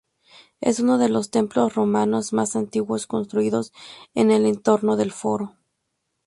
Es uno de los templos romanos más antiguos construidos en el entorno del Foro.